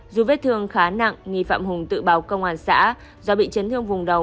dù vết thương khá nặng nghi phạm hùng tự báo công an xã do bị chấn thương vùng đầu